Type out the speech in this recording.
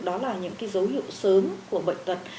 dấu hiệu sớm của bệnh tật